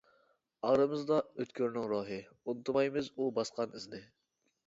ئارىمىزدا ئۆتكۈرنىڭ روھى، ئۇنتۇمايمىز ئۇ باسقان ئىزنى.